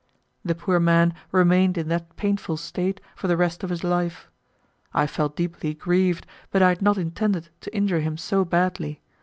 The poor man remained in that painful state for the rest of his life. I felt deeply grieved, but I had not intended to injure him so badly.